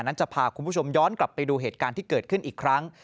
จะพาคุณผู้ชมย้อนกลับไปดูเหตุการณ์ที่เกิดขึ้นอีกครั้ง